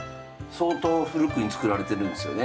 相当古くに造られてるんですよね。